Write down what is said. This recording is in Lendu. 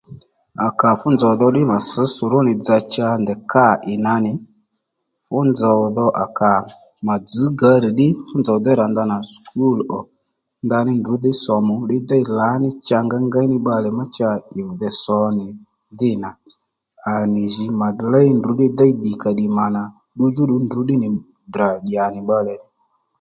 À kà fú nzòw dho ddí mà sš sòrónì dzà cha ndèy kâ ì nà nì fú nzòw dho à kà mà dzž gǎrr ddí fú nzòw dho ndrǔ rǎ ndanà sùkúl ò ndaní ndrǔ dhí sòmù ddí déy lǎní cha ngéy ní bbalè ma cha ì vì dey sǒ dhî nà à nì jǐ mà léy ndrǔ ddí dey ddìkàddì mà nà ddudjúddù ndrǔ ddí nì Ddrà dyà nì bbalè